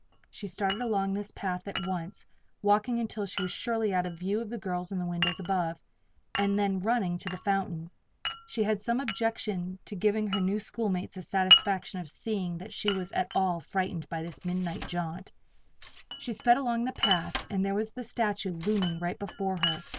She started along this path at once, walking until she was surely out of view of the girls in the windows above, and then running to the fountain. She had some objection to giving her new schoolmates the satisfaction of seeing that she was at all frightened by this midnight jaunt. She sped along the path and there was the statue looming right before her.